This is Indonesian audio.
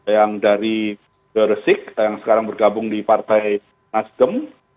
yang dari gresik yang sekarang bergabung di partai nasdem